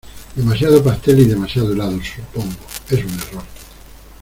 Demasiado pastel y demasiado helado, supongo. ¡ es un error!